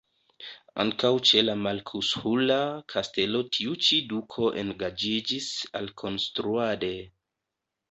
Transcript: Ankaŭ ĉe la marksuhla kastelo tiu ĉi duko engaĝiĝis alkonstruade.